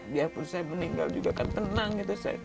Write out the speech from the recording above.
biarpun saya meninggal saya akan tenang